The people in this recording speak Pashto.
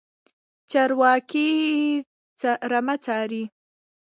چرواکی رمه څاري.